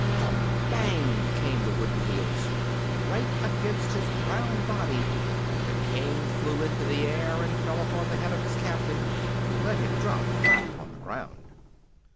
Thump BANG! came the wooden heels, right against his round body, and the King flew into the air and fell upon the head of his captain, who let him drop flat upon the ground.